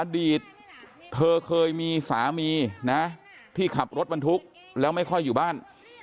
อดีตเธอเคยมีสามีนะที่ขับรถบรรทุกแล้วไม่ค่อยอยู่บ้าน